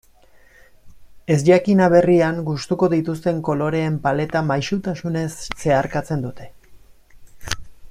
Ezjakin aberrian gustuko dituzten koloreen paleta maisutasunez zeharkatzen dute.